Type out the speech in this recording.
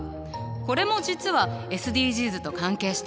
これも実はＳＤＧｓと関係しているの。